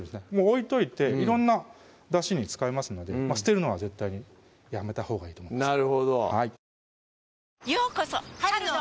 置いといて色んなだしに使えますので捨てるのは絶対にやめたほうがいいと思います